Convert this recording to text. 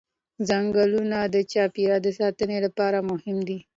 ځنګلونه د چاپېریال د ساتنې لپاره مهم دي